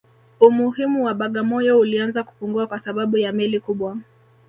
Umuhimu wa Bagamoyo ulianza kupungua kwa sababu ya meli kubwa